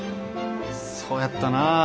そうやったな。